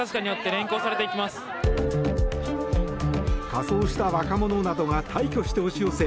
仮装した若者などが大挙して押し寄せ